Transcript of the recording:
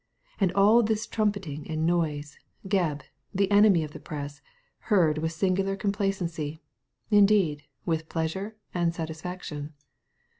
And all this trumpeting and noise, Gebb, the enemy of the Press, heard with singular complacency, indeed, with pleasure and satisfaction.